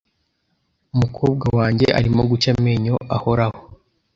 Umukobwa wanjye arimo guca amenyo ahoraho .